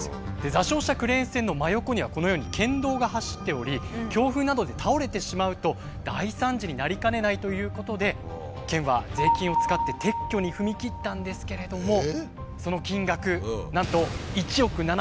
座礁したクレーン船の真横にはこのように県道が走っており強風などで倒れてしまうと大惨事になりかねないということで県は税金を使って撤去に踏み切ったんですけれどもその金額